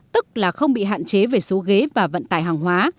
tức là không bị hạn chế về số ghế và vận tải hàng hóa